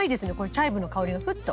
チャイブの香りがふっと。